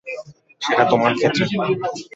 সেটা তোমার ক্ষেত্রে।